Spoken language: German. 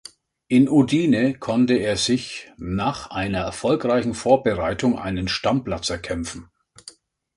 In Udine konnte er sich nach einer erfolgreichen Vorbereitung einen Stammplatz erkämpfen.